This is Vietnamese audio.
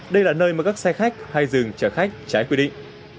đây là nơi mà các xe khách hay dừng chở khách trái quy định